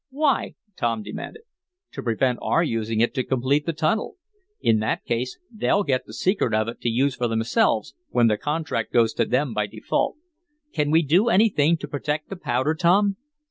"Why?" Tom demanded. "To prevent our using it to complete the tunnel. In that case they'll get the secret of it to use for themselves, when the contract goes to them by default. Can we do anything to protect the powder, Tom?"